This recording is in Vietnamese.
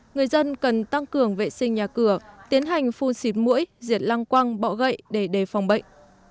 người dân cần tăng cường vệ sinh nhà cửa tiến hành phun xịt mũi diệt lăng quăng bọ gậy để đề phòng bệnh